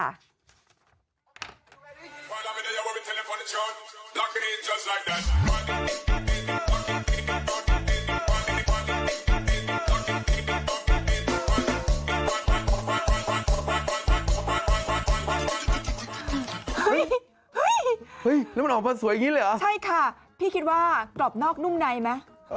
เฮ้ยมันออกมาแล้วมันออกมาสวยอย่างนี้เลยเหรอใช่ค่ะพี่คิดว่ากรอบนอกนุ่มในไหม